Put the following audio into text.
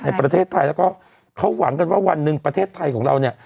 ในประเทศไทยแล้วก็เขาหวังกันว่าวันหนึ่งประเทศไทยของเราเนี่ย